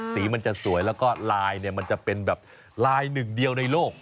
สีมันจะสวยแล้วก็ลายเนี่ยมันจะเป็นแบบลายหนึ่งเดียวในโลก